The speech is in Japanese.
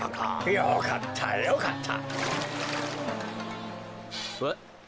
よかったよかった。